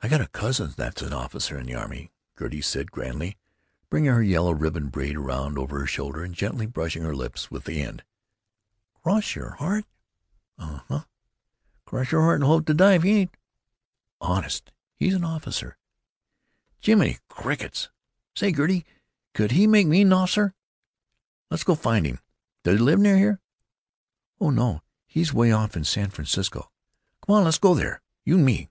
"I got a cousin that's an officer in the army," Gertie said grandly, bringing her yellow ribboned braid round over her shoulder and gently brushing her lips with the end. "Cross your heart?" "Um huh." "Cross your heart, hope t' die if you ain't?" "Honest he's an officer." "Jiminy crickets! Say, Gertie, could he make me a norficer? Let's go find him. Does he live near here?" "Oh my, no! He's 'way off in San Francisco." "Come on. Let's go there. You and me.